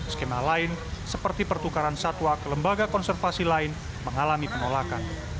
skema lain seperti pertukaran satwa ke lembaga konservasi lain mengalami penolakan